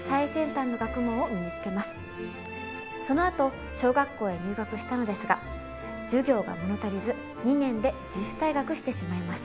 そのあと小学校へ入学したのですが授業が物足りず２年で自主退学してしまいます。